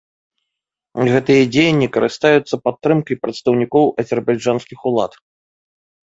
Гэтыя дзеянні карыстаюцца падтрымкай прадстаўнікоў азербайджанскіх улад.